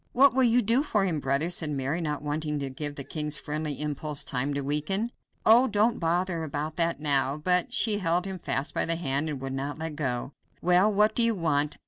"What will you do for him, brother?" said Mary, not wanting to give the king's friendly impulse time to weaken. "Oh! don't bother about that now," but she held him fast by the hand and would not let go. "Well, what do you want?